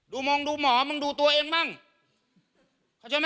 ดูมองดูหมอมึงดูตัวเองบ้างเขาเจอไหม